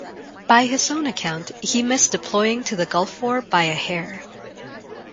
By his own account, he missed deploying to the Gulf War by a hair.